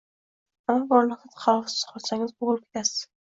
Ammo bir lahza havosiz qolsangiz, bo’g’ilib ketasiz.